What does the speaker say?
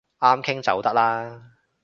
啱傾就得啦